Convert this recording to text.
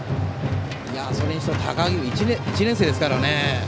それにしても高木君は１年生ですからね。